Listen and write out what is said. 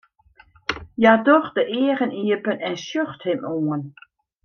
Hja docht de eagen iepen en sjocht him oan.